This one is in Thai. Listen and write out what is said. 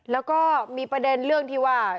แล้วก็มีประเด็นเรื่องที่ว่า